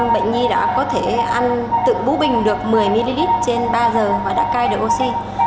bệnh nhi đã có thể ăn tự bú bình được một mươi ml trên ba giờ và đã cai được oxy